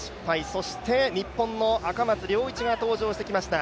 そして日本の赤松諒一が登場してきました。